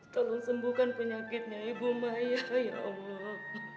tolong sembuhkan penyakitnya ibu ma ya allah